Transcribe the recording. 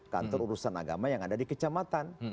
kantor urusan agama yang ada di kecamatan